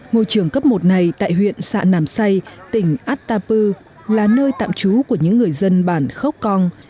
ngôi trường cấp một này tại huyện sạn nàm say tỉnh atapu là nơi tạm trú của những người dân bản khốc cong